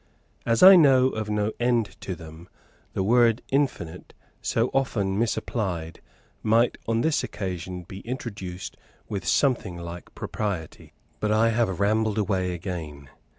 As I know of no end to them, the word infinite, so often misapplied, might on this occasion be introduced with something like propriety. But I have rambled away again.